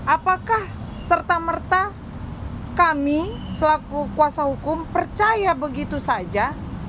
apakah serta merta kami selaku kuasa hukum percaya begitu saja